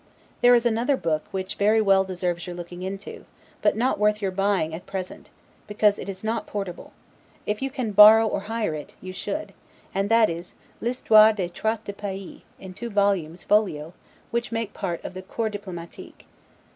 There is another book which very well deserves your looking into, but not worth your buying at present, because it is not portable; if you can borrow or hire it, you should; and that is, 'L' Histoire des Traits de Paix, in two volumes, folio, which make part of the 'Corps Diplomatique'.